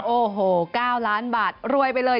โอ้โห๙ล้านบาทรวยไปเลย